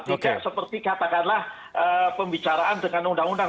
tidak seperti katakanlah pembicaraan dengan undang undang